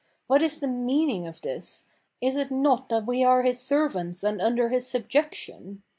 What is the meaning of this? Is it not that we are his servants and under his subjection?